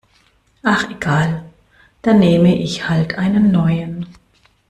Ach egal, dann nehme ich halt einen neuen.